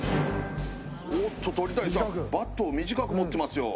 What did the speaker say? おっと鳥谷さんバットを短く持ってますよ